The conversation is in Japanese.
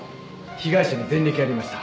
被害者に前歴ありました。